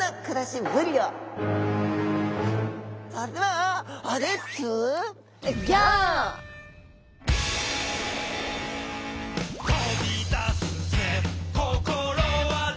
それでは「飛び出すぜ心はどこへ」